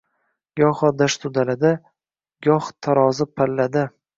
Goho dashtu dalada, goh tarozi pallada